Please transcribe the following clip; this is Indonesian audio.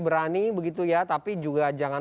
berani begitu ya tapi juga jangan